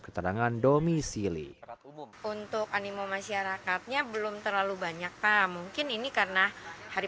keterangan domisilit umum untuk animo masyarakatnya belum terlalu banyak pak mungkin ini karena hari